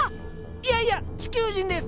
いやいや地球人です！